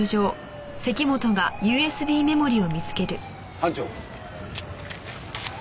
班長。